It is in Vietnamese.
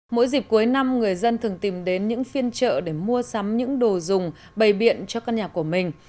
mỗi dịp cuối năm người dân thường tìm đến những phiên trợ để mua sắm những đồ dùng bày biện cho căn nhà của mình